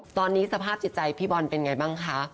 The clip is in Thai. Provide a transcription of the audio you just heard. ตอนนี้สภาพจิตใจพี่บอลเป็นไงบ้างคะ